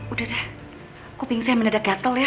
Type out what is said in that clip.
udah deh kuping saya mendadak gatel ya